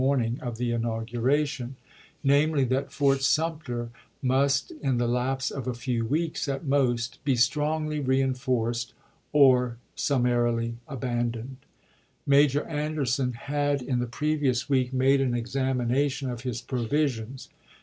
morning of the inauguration — namely, that Fort Sumter must, in the lapse of a few weeks at most, be strongly reenforced or summarily abandoned. Major Anderson had in the previous week made an examination of his provisions.